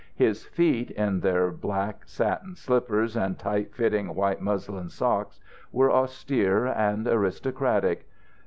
His feet, in their black satin slippers and tight fitting white muslin socks, were austere and aristocratic.